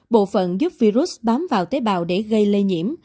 bộ phận giúp virus bám vào tế bào để gây lây nhiễm